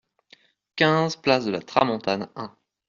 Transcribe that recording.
quinze place de la Tramontane un